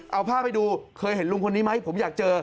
เอาภาพให้ดูเคยเห็นลุงคนนี้ไหมผมอยากเจอ